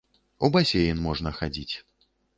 У басейн можна хадзіць.